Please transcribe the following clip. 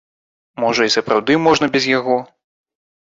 Можа, і сапраўды можна без яго?